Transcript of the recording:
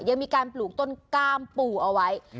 ยังมีการปลูกต้นกล้ามปู่เอาไว้